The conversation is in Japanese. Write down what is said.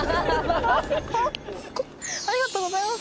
ありがとうございます。